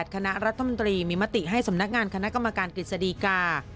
คณะรัฐมนตรีมีมติให้สำนักงานคณะกรรมการกฤษฎีกา